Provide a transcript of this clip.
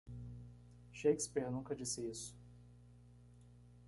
Shakespeare nunca disse isso.